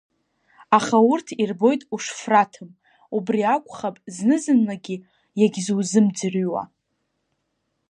Аха урҭ ирбоит ушфраҭым, убри акәхап зны-зынлагьы иагьзузымӡырҩуа.